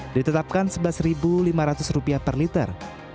ditetapkan rp sebelas lima ratus per liter